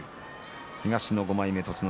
東の５枚目、栃ノ